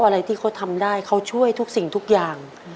อะไรที่เขาทำได้เขาช่วยทุกสิ่งทุกอย่าง